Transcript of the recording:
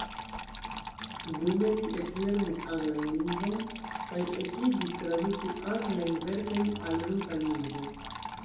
Dume li eklernis anglan lingvon kaj ekigis traduki anglajn verkojn al rusa lingvo.